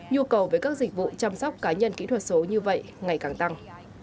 nhu cầu với các dịch vụ chăm sóc cá nhân kỹ thuật số như vậy ngày càng tăng